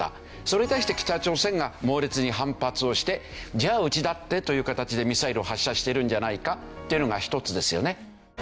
それに対して北朝鮮が猛烈に反発をして「じゃあうちだって」という形でミサイルを発射してるんじゃないかっていうのが１つですよね。